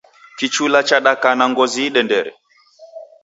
Kichula chadaka na ngozi idendere